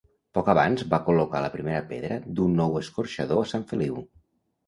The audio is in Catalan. Poc abans va col·locar la primera pedra d'un nou escorxador a Sant Feliu.